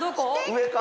上か？